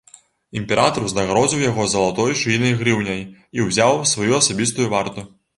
Імператар узнагародзіў яго залатой шыйнай грыўняй і ўзяў у сваю асабістую варту.